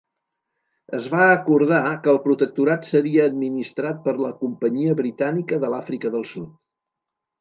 Es va acordar que el protectorat seria administrat per la Companyia Britànica de l'Àfrica del Sud.